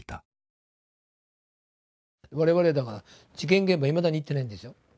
我々だから事件現場いまだに行ってないんですよ。